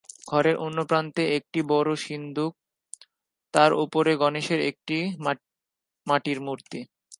ঘরের অন্য প্রান্তে একটা বড়ো সিন্দুক, তার উপরে গণেশের একটি মাটির মূর্তি।